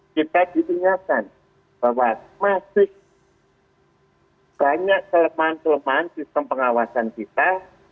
kita ditinggalkan bahwa masih banyak kelemahan kelemahan sistem pengawasan kita